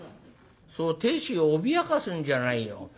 そう亭主を脅かすんじゃないよ。